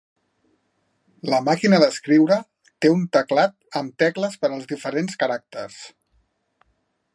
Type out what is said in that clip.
La màquina d'escriure té un teclat amb tecles per als diferents caràcters.